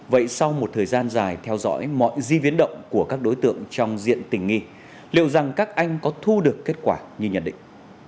vậy sau một thời gian dài theo dõi mọi di biến động của các đối tượng trong diện tình nghi liệu rằng các anh có thu được kết quả như nhận định